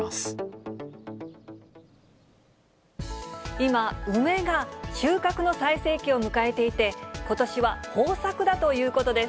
今、梅が収穫の最盛期を迎えていて、ことしは豊作だということです。